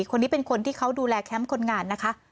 คนนี้เป็นคนที่เขาดูแลแคมป์คนงานนะคะ